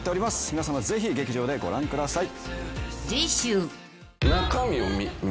皆さまぜひ劇場でご覧ください。